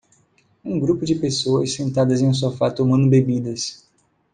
Um grupo de pessoas sentadas em um sofá tomando bebidas.